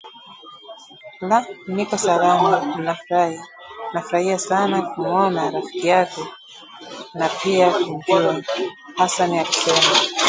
"La niko salama, nafurahia sana kumuona rafiki yako na pia kumjua," Hasani alisema